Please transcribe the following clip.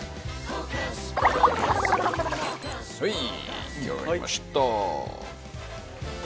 はい出来上がりました。